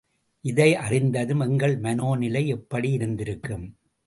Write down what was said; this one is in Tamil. இதை அறிந்ததும் எங்கள் மனோநிலை எப்படி இருந்திருக்கும்?